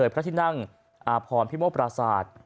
พระที่นั่งอาพรพิโมปราศาสตร์